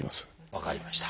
分かりました。